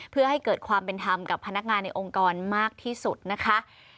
เพื่อให้เกิดความเป็นธรรมกับพนักงานในองค์กรมากที่สุดนะคะ